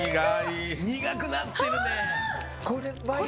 苦くなってるね。